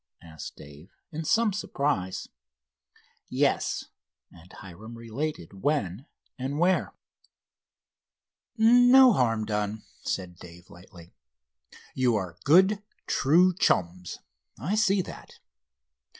asked Dave, in some surprise. "Yes," and Hiram related when and where. "No harm done," said Dave lightly. "You are good, true chums, I see that.